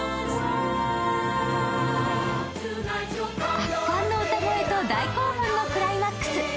圧巻の歌声と大興奮のクライマックス。